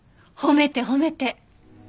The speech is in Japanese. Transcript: ほめてほめて」。